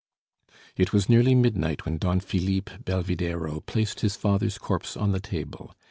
It was nearly midnight when Don Philippe Belvidéro placed his father's corpse on the table.